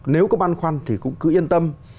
nếu có băn khoăn thì cũng cứ yên tâm